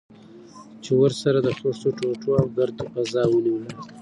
چې ورسره د خښتو ټوټو او ګرد فضا ونیول.